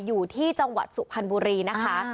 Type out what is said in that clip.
อยู่ที่จังหวัดศุภัณฑ์บุรีนะคะ